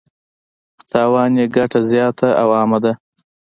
تاوان یې ګټه زیاته او عامه ده.